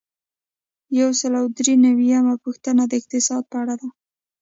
یو سل او درې نوي یمه پوښتنه د اقتصاد په اړه ده.